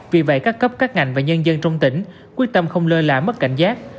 vì vậy các cấp các ngành và nhân dân trong tỉnh quyết tâm không lơ là mất cảnh giác